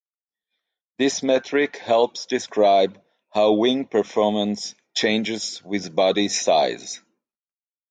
This metric helps describe how wing performance changes with body size.